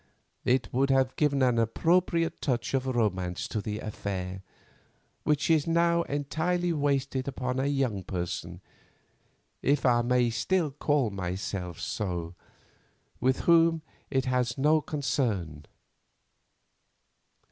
It would have given an appropriate touch of romance to the affair, which is now entirely wasted upon a young person, if I may still call myself so, with whom it has no concern.